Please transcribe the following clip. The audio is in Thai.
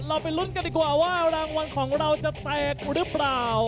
ไปลุ้นกันดีกว่าว่ารางวัลของเราจะแตกหรือเปล่า